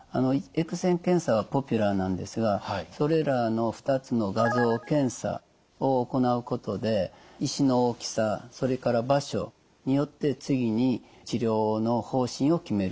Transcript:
Ｘ線検査はポピュラーなんですがそれらの２つの画像検査を行うことで石の大きさそれから場所によって次に治療の方針を決めることになります。